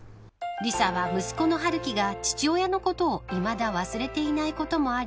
［理沙は息子の春樹が父親のことをいまだ忘れていないこともあり］